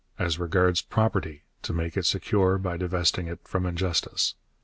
As regards property, to make it secure by divesting it from injustice.